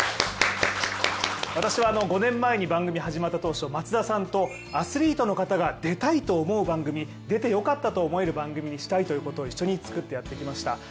私は５年前に番組が始まった当初、松田さんとアスリートの方が出たいと思う番組、出て良かったと思えるような番組にしたいと一緒に作ってやってきました。